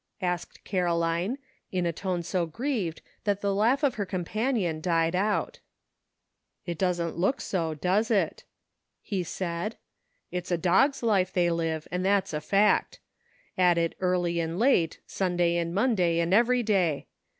asked Caroline, in a tone so grieved that the laugh of her companion died out. " It doesn't look so, does it ?" he said. " It's a dog's life they live, and that's a fact ; at it early and late, Sunday and Monday and every day.